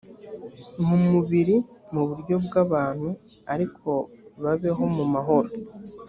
mu mubiri mu buryo bw abantu ariko babeho mu mahoro.